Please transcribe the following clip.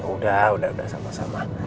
udah udah udah sama sama